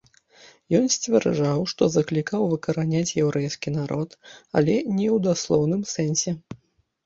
Ён сцвярджаў, што заклікаў выкараняць яўрэйскі народ, але не ў даслоўным сэнсе.